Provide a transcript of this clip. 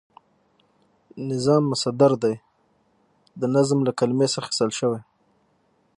نظام مصدر دی د نظم له کلمی څخه اخیستل شوی،